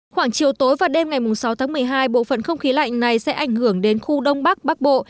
khoảng chiều tối và đêm ngày sáu tháng một mươi hai bộ phận không khí lạnh này sẽ ảnh hưởng đến khu đông bắc bắc bộ